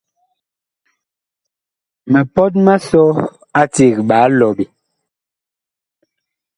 Mipɔt ma sɔ a eceg ɓaa lɔɓe.